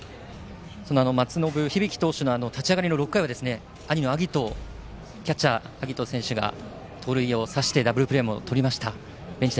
その松延響投手の立ち上がりの６回は兄のキャッチャー、晶音選手が盗塁を刺してダブルプレーもとりました。